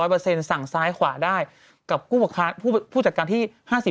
สั่งซ้ายขวาได้กับผู้จัดการที่๕๐